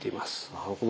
なるほど。